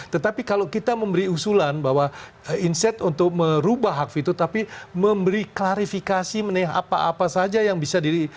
tetapi kalau kita memberi usulan bahwa inset untuk merubah hak fitur tapi memberi klarifikasi menilai apa apa saja yang bisa di